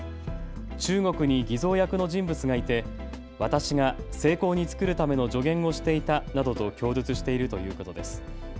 中国に偽造役の人物がいて私が精巧に作るための助言をしていたなどと供述しているということです。